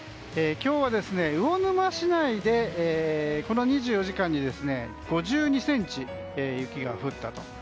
今日は魚沼市内でこの２４時間に５２ｃｍ雪が降ったと。